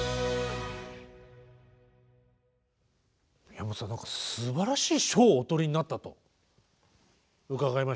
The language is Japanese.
宮本さん何かすばらしい賞をお取りになったと伺いました。